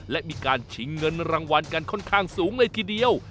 และมีการชิงเงินรางวัลกันค่อนข้างสูงเลยทีเดียว